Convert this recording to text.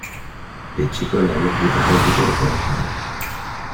El chico le había escrito todo tipo de poemas de amor.